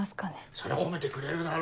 そりゃ褒めてくれるだろ。